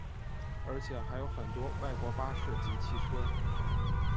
而且还有很多外国巴士及汽车。